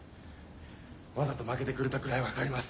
わざと負けてくれたくらい分かります。